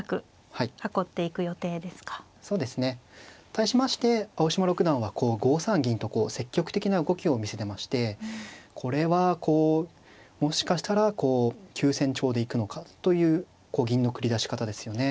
対しまして青嶋六段は５三銀と積極的な動きを見せてましてこれはこうもしかしたら急戦調で行くのかという銀の繰り出し方ですよね。